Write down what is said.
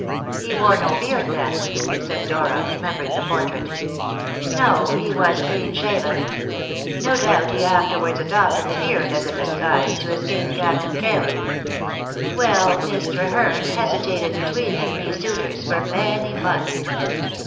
"He wore no beard then?" said Dora, remembering the portrait. "No; he was clean shaven. No doubt he afterwards adopted the beard as a disguise to escape Captain Carew. Well, Miss Treherne hesitated between the three suitors for many months.